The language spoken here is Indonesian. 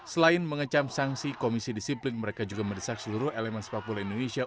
selain mengecam sanksi komisi disiplin mereka juga mendesak seluruh elemen sepak bola indonesia